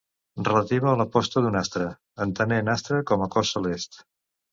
Relativa a la posta d'un astre, entenent astre com a cos celest.